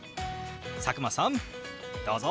佐久間さんどうぞ！